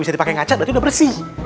bisa dipake ngaca berarti udah bersih